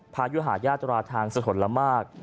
พระอยุฮาตยาตราทางสะทนละมาก